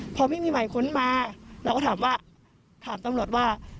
พอไม่มีหมายค้นมาเราก็ถามว่าถามตำรวจว่า